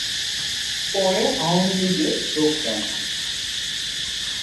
পরে আওয়ামী লীগে যোগ দেন।